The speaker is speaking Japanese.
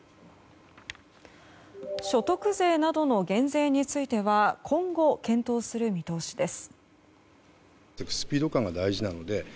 所得税などの減税については今後、検討する見通しです。